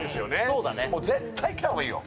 そうだね絶対来た方がいいよ！